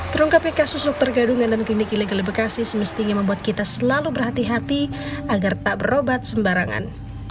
terungkapnya kasus dokter gadungan dan klinik ilegal di bekasi semestinya membuat kita selalu berhati hati agar tak berobat sembarangan